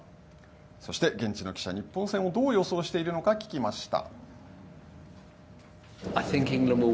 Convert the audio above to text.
そして、現地の記者日本戦をどう予想しているのか聞きました。